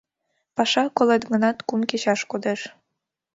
Паша, колет гынат, кум кечаш кодеш.